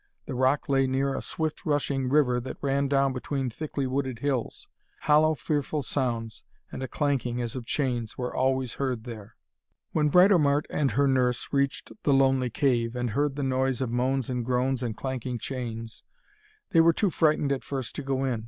The rock lay near a swift rushing river that ran down between thickly wooded hills. Hollow, fearful sounds, and a clanking, as of chains, were always heard there. When Britomart and her nurse reached the lonely cave, and heard the noise of moans and groans and clanking chains, they were too frightened at first to go in.